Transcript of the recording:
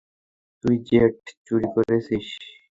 তুই জেট চুরি করেছিস?